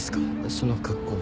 その格好。